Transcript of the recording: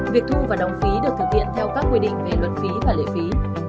việc thu và đóng phí được thực hiện theo các quy định về luật phí và lệ phí